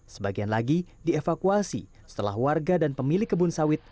sebagian lagi dievakuasi setelah warga dan pemilik kebun sawit